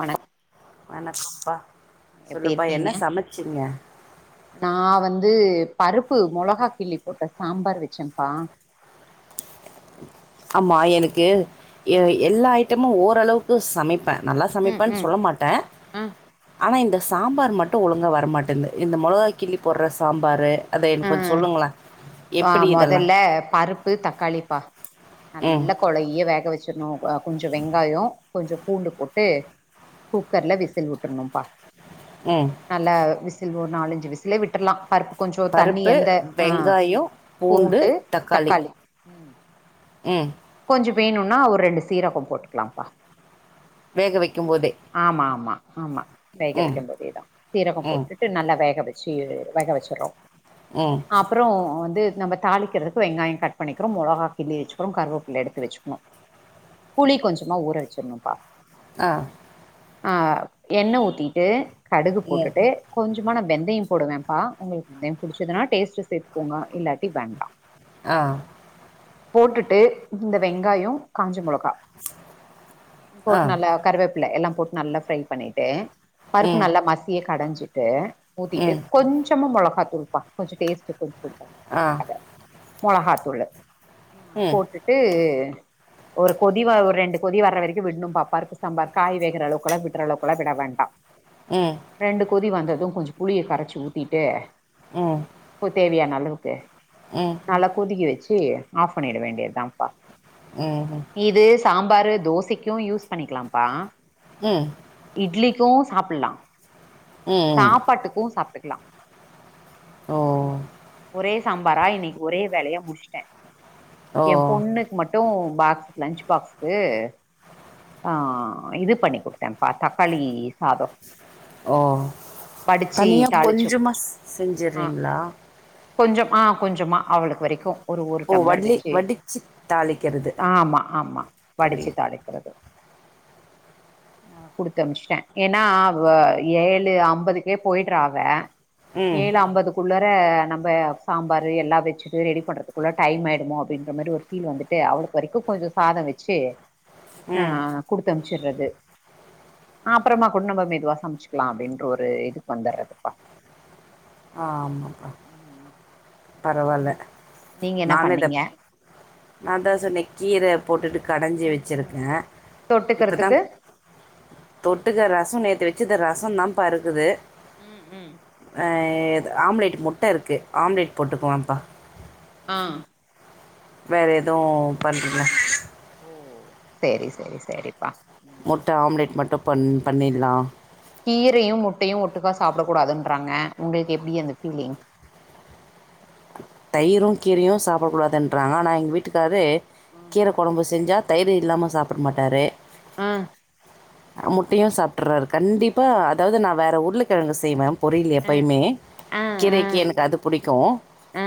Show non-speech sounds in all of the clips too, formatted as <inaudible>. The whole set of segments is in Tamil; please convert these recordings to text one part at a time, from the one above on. வணக் வணக்கம்ப்பா எப்டி சொல்லுப்பா என்ன இர்க்கீங்க சமைச்சீங்க நா வந்து பருப்பு மொளகா கிள்ளி போட்ட சாம்பார் வச்செம்ப்பா ஆமா எனக்கு எ ம் எல்லா ஐட்டமு ஓரளவுக்கு சமை ப்ப நல்லா ம் சமப்பேன்னு ம் சொல்ல மாட்டே ஆ ஆனா இந்த சாம்பார் மட்டு ஒழுங்கா வரமாட்டேன்து இந்த மொளகாய் கிள்ளி போட்ற சாம்பாரு அத ஆ எனக்கு கொஞ்ச சொல்லுங்களே அ எப்டி இதெல்லா மொதல்ல பருப்பு தக்காளி ப்ப ம் நல்லா கொழைய்ய வேக வச்சிர்ணு கொஞ்சொ வெங்காயொ கொஞ்சொ பூண்டு போட்டு குக்கர்ல விசில் விட்ருணும்ப்பா ம் நல்ல விசில் ஒரு நாலஞ்சு விசிலே விட்டுர்லா பருப்பு கொஞ்சொ பருப்பு வெங்காயொ பூண்டு தக்காளி ம் கொஞ்சொ வேணுனா ஒர் ரெண்டு சீரகம் போட்டுக்கலாம்ப்பா வேக வெக்கும் போதே ஆமாமா ஆமா ம் வேகவெக்க போதேதா சீரகம் ம் போட்டு நல்லா வேக வச்சு வேக வச்சிற்றோ ம் அப்றோ வந்து நம்ம தாளிக்கிறதுக்கு வெங்காயோ கட் பண்ணிக்றோ மொளகா கிள்ளி வச்சிக்றோ கற்வேப் எடுத்து வச்சுக்ணூ புளி கொஞ்சமா ஊற வச்சுர்ணும்ப்பா அ அ எண்ண ஊத்திட்டு கடுகு ம் போட்டுட்டு கொஞ்சமா நா வெந்தயம் போடுவேம்ப்பா உங்களுக்கு தெம் புடிச்சதுன்னா டேஸ்ட்டு சேத்துக்கோங்க இல்லாட்டி வேண்டா அ போட்டுட்டு இந்த வெங்காயோ காஞ்ச மொளகா ஆ போட்டு நல்லா கருவேப்ல எல்லாம் போட்டு நல்லா ஃப்ரை பண்ணிட்டு பருப்பு ம் நல்லா மசிய கடஞ்சிட்டு ஊத்திட்டு ம் கொஞ்சமா மொளகா தூள்ப்பா கொஞ்சொ டேஸ்ட்டு தூக்கி குடுக்க ஆ <inaudible> காக மொளகாத்தூளு ம் போட்டுட்டு ஒரு கொதி வ ஒரு ரெண்டு கொதி வர்ற வரக்குவிட்னும்ப்பா பருப்பு சம்பார் காய்வேகுற அளவுக்கெல்லா விட்ற அளவுக்கெல்லா விட வேண்டா ம் ரெண்டு கொதி வந்ததும் கொஞ்சொ புளிய கரச்சி ஊத்திட்டு ம் உப்ப தேவையானளவுக்கு ம் நல்லா கொதிக்க வச்சு ஆஃப் பண்ணிட வேண்டியத்தாம்ப்பா ம் இது சாம்பாரு தோசைக்கும் யூஸ் பண்ணிக்கலாம்ப்பா ம் இட்லிக்கும் சாப்புல்லா ம் சாப்பாட்டுக்கு சாப்டுக்லா ஓ ஓ ஒரே சாம்பாரா இன்னக்கி ஒரே வேலயா முடுச்ட்டே ஓ ண்ணுக்கு மட்டூ பாக்ஸ் லன்ச் பாக்ஸுக்கு ஆ இது பண்ணி குடுத்தேன்ப்பா தக்காளி சாதோ ஓ வடிச்சு தனியா தாளிச்சு கொஞ்சமா ஆ செஞ்சறீங்ளா கொஞ்சம் ஆ கொஞ்சமா அவளுக்கு வெரைக்கு ஒரு ஒரு டம்ளர் வெச் சு தாளிக்கிறது ஒரே அ அ குடுத்து அம்ஷ்ட்டே ஏனா அவ ஏழு அம்பதுக்கே போய்ட்றா அவ ம் ஏழு அம்பதுக் குள்ளற நம்ப சாம்பாரு எல்லா வெச்சுட்டு ரெடி பண்ணுறதுக்குள்ள டைம் ஆய்டுமோ அப்டின்ற மாரி ஒரு ஃபீல வந்துட்டு அவளுக்கு வரைக்கு கொஞ்சோ சாதோ வெச்சு ஆ ம் குடுத்து அம்சுற்றது அ அப்றமா கூட் நம்ப மெதுவா சம்ச்சுக்லா அப்டின்ற ஒரு இதுக்கு வந்தற்றதுப்பா ஆமாப்பா ம் நீ பரவால நீங்க என்ன நான்தா பண்ணீங்க டெப் நாந்தா சொன்ன கீர போட்டுட்டு கடஞ்சு ம் ம் வெச்சிருக்கே ம் இப்பதா தொட்டுக்கிறதுக்கு தொட்டுக்க ரசோ நேத்து வெச்சுது ரசந்தான்பாருக்கிது ம் ம் அ ஆம்லேடுக் முட்ட இருக்கு ஆம்ப்லேட் போட்டுக்குவம்ப்பா ஆ வேற எதே பண்றதில ஓ செரி செரி செரிப்பா முட்ட ஆம்லேட் மட்டு பண் பண்ணில்லா கீரையூ முட்டையூ ஒட்டுக்கா சாப்டகூடாதுன்றாங்க உங்களுக்கு எப்டி அந்த ஃபீலிங் தயிரு கீரையு சாப்படக்கூடாதுன்றாங்க ஆனா எங்க வீட்டுக்காரு ஆ கீர கொழம்பு செஞ்சா தயிரு இல்லாம சாப்பட மாட்டாரு ஆ முட்டையு சாப்ட்டுறாரு கண்டிப்ப அதாவது நா வேற உருளகெழங்கு செய்வே பொரியில் ஆ எப்பயுமே கீரைக்கி ஆ எனக்கு அது புடிக்கு ஆ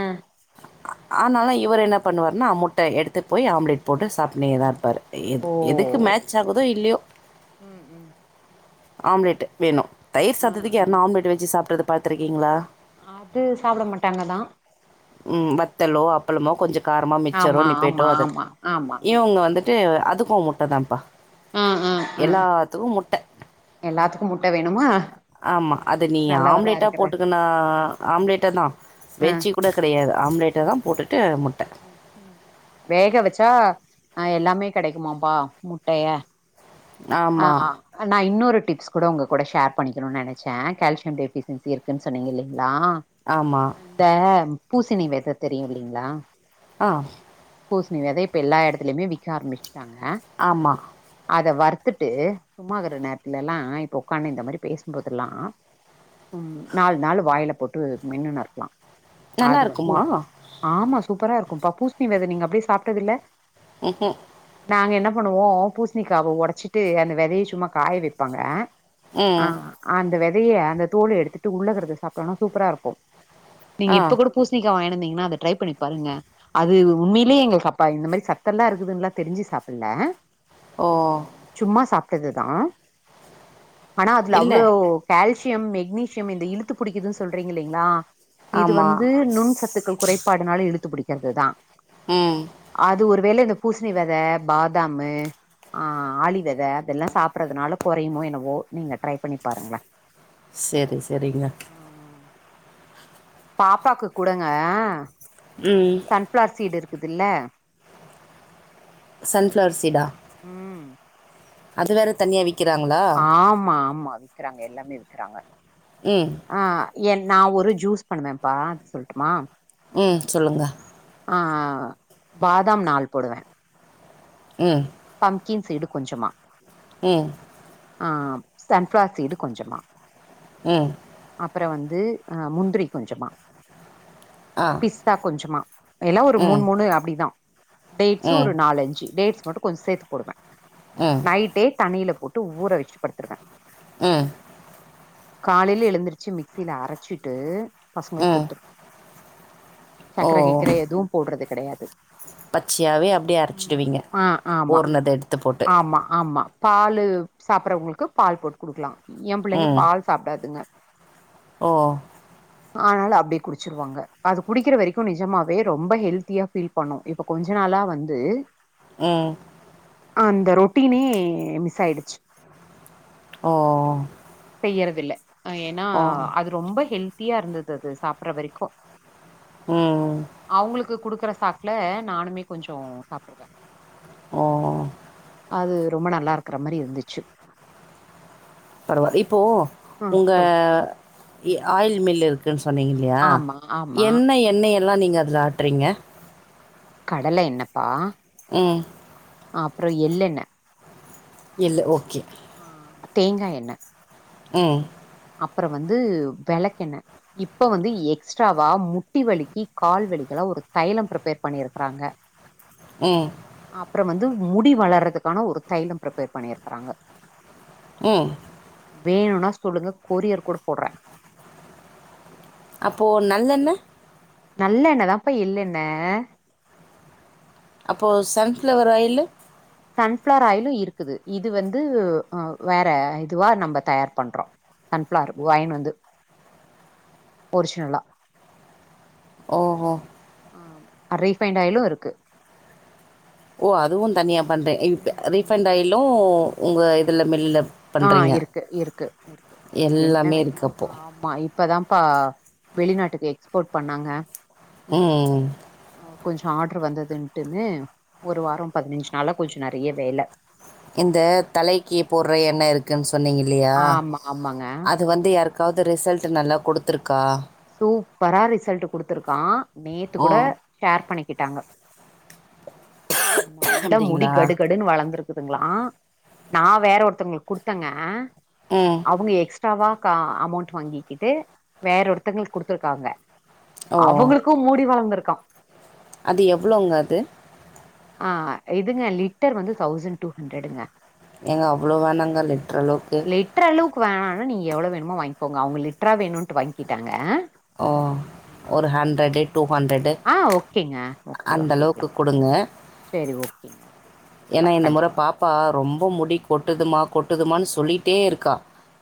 ஆனாலு இவர் என்ன பண்ணுவார்னா அ முட்ட எடுத்து போய் ஆம்லேட் போட்டு சாப்னேதா இருப்பாரு எது ஓ எதுக்கு மேட்ச் ஆகுதோ இல்லூயோ ம் ம் ஆம்லேட்டு வேணு தயிர் ஆ சாதத்துக்கு ஆ யார்னா ஆம்லெட் வெச்சி சாப்ட்றத பாத்துருக்கீங்ளா அது சாப்பட மாட்டாங்கதா ம் வத்தலோ அப்பளமோ கொஞ்ச காரமா மிச்சரோ ஆமா நிப்பேட்டோ ஆமா அது ஆமா ஆமா இவுங்க வந்து ட்டு அதுக்கு முட்டதாம்ப்பா ஆ எல்லாத்துக்கு முட்ட எல்லாத்துக்கும் முட்ட வேணுமா ஆமா நல்ல அத நீ நல்லவரா ஆம்லேட்டா இருக்கற போட்டுக்கினா ஆம்லேட்டதா ஆ வெச்சு கூட கெடையாது ஆம்லேட்டதா போட்டுட்டு முட்ட ம் வேக வெச்சா அ எல்லாமே கெடைக்குமாம்பா முட்டைய அ ஆமா அ அ நா இன்னொரு டிப்ஸ் கூட உங்க கூட ஷேர் பண்ணிக்கணு நெனைச்சே கால்சியம் டெஃபிசின்சி இருக்குன் சொன்னீங்க இல்லைங்ளா ஆமா இந்த பூசெணி வித தெரியு இல்லிங்களா ஆ பூஸ்ணி வெத இப்ப எல்லா எடத்துலயுமே விக்க ஆரம்பிஷ்ட்டாங்க ஆமா அத வறுத் த்துட்டு சும்மாறிக்கற நேரத்துலலா இப்போ ஒக்கானுந்த மாரி பேசும்போதெல்லாம் ம் நாலு நாள் வாய்ல போட்டு மென்ணு நறுக்கலாம் நல்லா அது வந்து இருக்குமா ஆமா சூப்பரா இருக்கும் தர்பூஸ்ணி வெத நீங்க அப்டியே சாப்ட்டது இல்ல ம்ஹூம் நாங்க என்ன பண்ணுவோம் பூஸ்ணிக்காவ ஒடச்சிட்டு அந்த வெதைய சும்மா காய வைப்பாங்க ஆ ம் அந்த வெதைய அந்த தோல எடுத்துட்டு உள்ளதருக்கற சாப்டோனா சூப்பரா இருக்கும் நீங்க ஆ இப்ப கூட பூஸ்ணிக்கா வாங்கினந்தீங்கன்னா அத ட்ரை பண்ணி பாருங்க அது உண்மையிலயே எங்களுக்கு அப்ப இந்த மாரி சத்த எல்லாம் இருக்குதுன்னல்லாம் தெரிஞ்சு சாப்பல்ல ஓ ம் சும்மா சாப்ட்டதுதான் ஆனா அதுல இல்ல அவ்ளோ கால்சியம் மெக்னீசியம் இந்த இழுத்து பிடிக்குதுன்னு சொல்றீங்க இல்லைங்களா இது ஆமா வந்து நுண் ச த்துக்கள் குறைபாடுனால இழுத்து படிக்கிறதுதான் ம் அது ஒரு வேள இந்த பூஸ்ணி வெத பாதாமு ஆ ஆலி வெத அதெல்லாம் சாப்பறதுனால கொறையுமோ என்னவோ நீங்க ட்ரை பண்ணி பாருங்கள செரி செரிங்க பாப்பாக்கு குடுங்க ம் சன்ஃப்ளார் சீடு இருக்குதுல்ல சன்ஃப்ளவர் சீடா ம் அது வேற தனியா வி கிறாங்களா ஆமா ஆமா விக்கறாங்க எல்லாமே விக்கறாங்க ம் ஆ என் நா ஒரு ஜூஸ் பண்ணுனேன்ப்பா சொல்ட்டுமா ம் சொல்லுங்க ஆ பாதாம் நாள் போடுவேன் உம் பம்கீன் சீடு கொஞ்சமா ம் ஆ சன்ஃப்ளார் சீடு கொஞ்சமா ம் அப்பறோ வந்து முந்திரி கொஞ்சமா ஆ ஸ்தா கொஞ்சோமா எல்லா ஒரு மூண் ம் மூணு அப்டிதா டேட்ஸ்சு ம் ஒரு நாலஞ்சு டேட்ஸ் மட்டு கொஞ் சேத்து போடுவ ம் நைட்டே தண்ணில போட்டு ஊர வச்சுட் படுத்ருவ ம் காலைல எழுந்துருச்சு மிக்சில அரைச்சிட்டு பசங்ளுக் ம் குடுத்ரு ஓ சக்கர கிக்கர எதுவு போட்றது கெடையாது பச்சையாகவே அப்படியே ம் அரைச்சிடுவீங்க ஆ ஆம்மா ஊறினதை எடுத்து போட்டு ஆம்மா ஆம்மா பாலு சாப்பட்றவ்ங்ளுக்கு பால் போட்டு குடுக்லாம் எம் புள்ளைங்க ம் பால் சாப்டாதுங்க ஓ ஆனால அப்டியே குடுச்சிருவாங்க அது குடிக்கிற வரைக்கு நிஜமாவே ரொம்ப ஹெல்த்தியா ஃபீல் பண்ணு இப்ப கொஞ்ச நாளா வந்து ம் அந்த ரொட்டினே மிஸ் ஆயிடுச்சு ஓ ஓ செய்யறது இல்லை ஏன்னா அது ரொம்ப ஹெல்த்தியா இருந்தது அது சாப்ற வரைக்கு ம் அவுங்களுக்கு குடுக்குற சாக்குல நானுமே கொஞ்சோ சாப்டுப்பே ஓ அது ரொம்ப நல்லா இருக்கற மாரி இருந்துச்சு பரவா இப்போ உங்க சொல் இ ஆயில் மில் இருக்குன் சொன்னீங்க ல்லயா ஆமா ஆமா என்ன எண்ணெய் எல்லா நீங்க அதுல ஆட்றீங்க கடலை எண்ணெப்பா ம் அப்றோ எல்லெண்ணெ எள்ளு ஓகே ஆ தேங்கா எண்ணெ ம் அப்றோ வந்து வெளக்கெண்ணெ இப்ப வந்து எக்ஸ்ட்ராவா முட்டி வலிக்கு கால் வலிக்கெல்லா ஒரு தைலோ ப்ரிப்பேர் பண்ணி இருக்குறாங்க ம் அப்றோ வந்து முடி வளர்றதுக்கான ஒரு தைலோ ப்ரிப்பேர் பண்ணி இருக்குறாங்க ம் வேணுன்னா சொல்லுங்க கொரியர் கூட போட்றே அப்போ நல்லெண்ணெ நல்லெண்ணெ தாம்ப்பா எள்லெண்ணெ அப்போ sunflower oil sunflower oil இருக்குது இது வந்து ஆ வேற இதுவா நம்ம தயார் பண்றோ சன்ஃப்ளார் வாங்கின்னு வந்து ஒரிஜினலா ஓஹோ ஆ ரீஃபைன்டு ஆயிலு இருக்கு ஓ அதுவு தனியா பண்றே இப் ம் ம் ரீஃபண்ட் ஆயிலு உங்க இதுல மில்லுல ஆ இருக்கு இருக்கு இருக்கு உங்களுக்கு என்ன எல்லாமே வேணுமோ இருக்குது அப்போது ஆ மா இப்பதாம்ப்பா வெளிநாட்டுக்கு எக்ஸ்போர்ட் பண்ணாங்க ம் ம் கொஞ்சோ ஆர்ட்ரு வந்ததுன்ட்டுன்னு ஒரு வாரோ பதினஞ்ச்சி நாளா கொஞ்சோ நெறைய வேல இந்த தலைக்கி போடுற எண்ணெ இருக்குன்னு சொன்னீங்க இல்லையா ஆமா ஆமாங்க அ து வந்து யாருக்காவது ரிசல்ட் நல்லா குடுத்துருக்கா சூப்பரா ரிசல்ட் குடுத்துருக்கா நேத்து ஓ கூட ஷேர் பண்ணிக்கிட்டாங்க நல்லா முடி அப்படிங்களா கடுகடுன்னு வளந்துருக்கு துங்களா நா வேற ஒருத்தவங்களுக்கு குடுத்தேங்க ம் அவுங்க எக்ஸ்ட்ராவா கா அமௌண்ட் வாங்கிக்கிட்டு வேற ஒருத்தங்களுக்கு குடுத்துருக்காங்க ஓ அவுங்களுக்கு முடி வளந்துருக்கா அது எவ்வளவுங்க அது ஆ இதுங்க லிட்டர் வந்து தௌசண்ட் டூ ஹண்ட்ரேடுங்க ஏங்க அவ்வளவு வேணாங்க லிட்டர் அளவுக்கு ட்டர் அளவுக்கு வேணானா நீங்க எவ்வளவு வேணுமோ வாங்கிகோங்க அவுங்க லிட்டரா வேணும்ன்ட்டு வாங்கிட்டாங்க ஓ ஆ ஒரு ஹண்ட்ரடு டூ ஹண்ட்ரடு ஆ ஓகேங்க ஓகே வாங்கிக்கலா குடுங்க சேரி ஓகே ஏன்னா வாங்கிக்கலா இநத முற கண்டிப்பா பாப்பா ரொம்ப முடி கொட்டுதுமா கொட்டுதுமான்னு சொல்லிட்டேருக்கா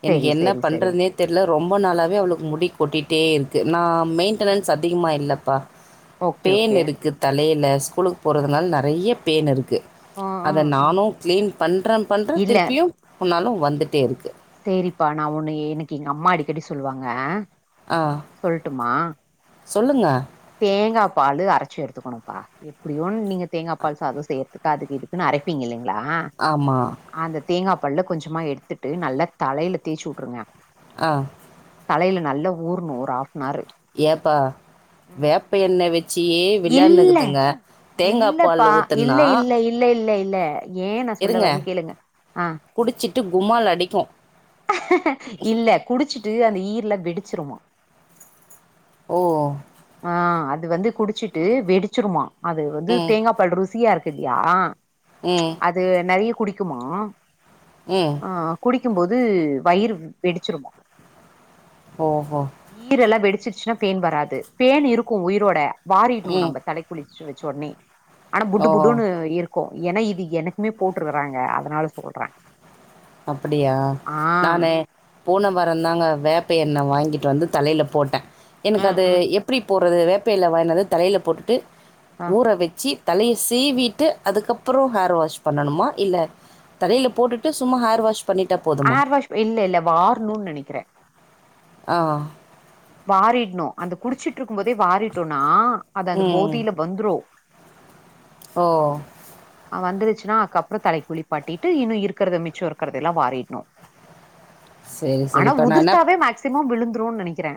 எனிக் சரி என்ன சரி சரி பண்றதுனே தெர்ல ரொம்ப நாளாவே அவளுக்கு முடி கொட்டிட்டேருக்கு நா மெயின்டெனன்ஸ் அதிகமா இல்லப்பா ஓகே பேன் ஓகே இருக்கு தலைல ஸ்கூலுக் போறதுனால நெறைய்ய பேன் இருக்கு ஆ ஆ அத ஆ நானு கிளீன் பண்றே பண்றே இல்ல திருப்பியு வுன்னாலு வந்ட்டே இருக்கு தேரிப்பா நா ஒண்ணு எனக்கு எங்கம்மா அடிக்கடி சொல்வாங்க ஆ சொல்லுங்க தேங்காபாலு அரச்சு எடுத்துக்கணும்ப்பா எப்படியுன் நீங்க தேங்கா பால் சாதோ செய் கதுக் இதுக்குனு அரைப்பீங்கல்லைங்ளா ஆமா அந்த தேங்கா பால்ல கொஞ்சமா எடுத்துட்டு நல்லா தலைல தேச்சு விட்ருங்க ஆ தலைல நல்லா ஊறணு ஒரு ஆஃப்னார்ரு ஏப்பா வேப்ப எண்ணெய் வச்சியே இல்ல வில்லாநகத்துங்க தேங்கா பால்லு இல்லப்பா இல்ல ஊத்துன்னா இல்ல இல்ல இல்ல இல்ல ஏ நா சொல்ல வரேன்னு கேளுங்க ஆ குடிச்சிட்டு குமால் அடிக்கு இல்ல குடிச்சிட்டு அந்த ஈர்லா வெடிச்சிருமா ஓ ஆ அது வந்து குடிச்சிட்டு வெடிச்சிருமா அது வந்து ம் தேங்கா பால் ருசியாருக்கு ல்லையா ம் அது நெறைய்ய குடிக்குமா ம் ஆ குடிக்கும்போது வயிறு வெடிச்சிருமா ஓஹோ ஈரெல்லா வெடிச்சிருச்சினா பேன் வராது பேன் இருக்கும் உயிரோட வாரிடணு ம் நம்ம தலைக்கி குளிச்சி வச்ச வொன்னே ஆனா புடு ஓஹோ புடுன்னு இருக் ஏன்னா இது எனக்குமே போட்டுயிருக்கறாங்க அதுனால சொல்றே அப்டியா ஆ நானு போன வாரந் தாங்க வேப்ப எண்ணெ வாங்கிட்டு வந்து தலைல போட்டே எனக்கு ம் அது ம் எப்டி போட் அதவ்து வேப்ப இல வாங்கின்னு வந்து தலைல போட்டுட்டு ஆ ஊற வச்சி தலைய சீவிட்டு அதுக்கப்றோ ஹேர் வாஷ் பண்ணணுமா இல்ல தலைல போட்டுட்டு சு சும்மா ஹேர் வாஷ் பண்ணிட்டா போதும் ஹேர் வாஷ் இல்ல இல்ல வார்ணு நெனக்கிறே ஆ வாரிட்ணு அந்த குடிச்சிட்டு இருக்கும் போதே வாரிட்டோனா அது அந்த ம். போதில வந்துரும் ஓ வந்துருச்சின்னா அதுக்கப்பறோ தலக்கி குளிப்பாட்டிட்டு இன்னு இருக்கறத மிச்சோ இருக்கறத எல்லா வாரிட்ணு சரி, சரி. ஆனா இப்ப நான் என்ன உதிர்த்தாவே மேக்சிமம் விழுந்துரும்னு நெனக்கிறே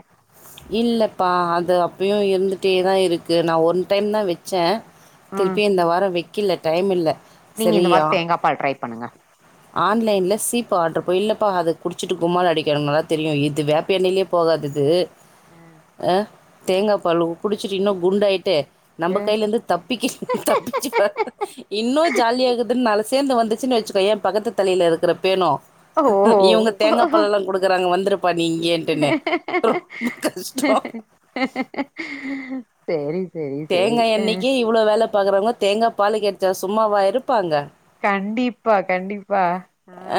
இல்லப்பா அது அப்பயு இருந்துட்டே தா இருக்கு நா ஒன் டைம் தா வச்சே ம் திருப்பி இந்த வாரோ வெக்கில டைமில்ல நீங்க இந்த மாரி தேங்கா பால் ட்ரை பண்ணுங்க ஆன்லைன்ல் சீப்பு ஆர்டரு பா இல்லப்பா அத குடிச்சிட்டு கும்மால அடிக்றவங்கள தெரியு இது வேப்ப எண்ணெய்லே போகாதுக்கு அ ஆ தேங்கா பாலு குடிச்சுட்டிங்கனா குண்டாயிட்டு நம்ப ஏ. கையிலருந்து தப்பிக்க தப்பிச்சு வா இன்னு ஜாலியாருக்குதுன்னு நாலு சேந்து வந்துச்சுன்னு வச்சுக்கோயே பக்கத்து தலையில இருக்குற பேணு இவங்க தேங்கா ஓ பால்லலா குடுக்குறாங்க வந்துருப்பா நீங்க சேரி சேரி சேரி தேங்காய் அ எண்ணெய்க்கே இவ்ளோ வேல பாக்குறவங்க தேங்கா பாலு கெடைச்சா சும்மாவா இருப்பாங்க கண்டிப்பா கண்டிப்பா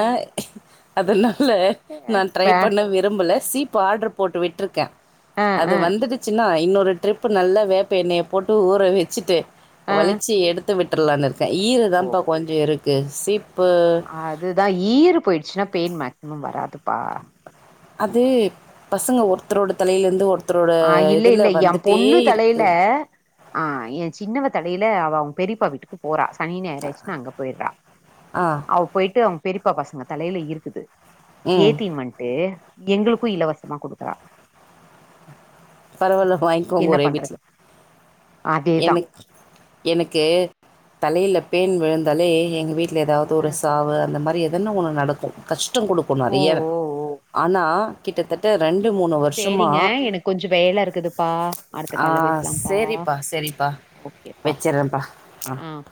ஆ அதனால நா வே ட்ரைப் பண்ண விரும்பல சீப் ப ஆர்டர் போட்டு விட்டுருக்கே அ அது அ வந்துடுச்சுன்னா இன்னொரு ட்ரிப்பு நல்ல வேப் பெண்ணெயை போட்டு ஊற வச்சிட்டு அ வலிச்சி எடுத் எடுத்து விட்றலானு இருக்கே ஈறு தான்பா கொஞ்சோன் இருக்கு சீப்பு அது தா ஈறு போயிடுச்சினா பேன் மேக்ஸிமம் வராதுப்பா அது பசங்க ஒருத்தரோட தலையிலருந்து ஒருத் ஆ இல்ல இல்ல ஏ பொண்ணு தலையில இருக்குது ஆ ஏ சின்னவ தலையில அவ பெரியப்பா வீட்டுக்கு போறா சனி ஞாயிறு ஆயிர்ச்சின்னா அங்க போயிட்றா ஆ அவ் போயிட்டு அவங்க பெரிப்பா பசங்க தலையில இருக்குது ம் ஏத்தி மந்ட்டு எங்களுக்கு இலவசமா குடுக்குறா பரவால்ல வாங்கிக்கோங்க என்ன ஒரே வீட்ல பண்றது அதேதா எனக் எனக்கு தலையில அ பேன் விழுந்தாலே எங்க வீட்டுல ஏதாவு து ஒரு அ சாவு அந்த மாரி எதன்னா ஒன்னு நடக்கு கஷ்டோ குடுக் கு ஓ நறையா ஓ ஆனா கிட்டத்தட்ட ஓ ரெண்டு மூணு வருஷமா சேரிங்க எனக்கு கொஞ்சோ வேல இருக்குதுப்பா அடுத்த கால்ல பேசலாம்ப்பா சரிப்பா சரிப்பா ஓகேப்பா வச்சிட்றேன்ப்பா ஆ ம்